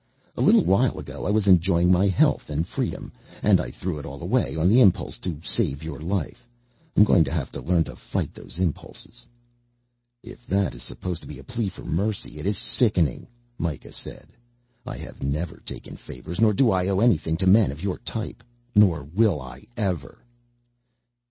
"A little while ago I was enjoying my health and freedom and I threw it all away on the impulse to save your life. I'm going to have to learn to fight those impulses." "If that is supposed to be a plea for mercy, it is sickening," Mikah said. "I have never taken favors nor do I owe anything to men of your type. Nor will I ever."